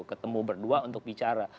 ketemu berdua untuk bicara